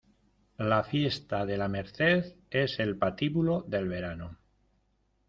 La fiesta de la Merced es el patíbulo del verano.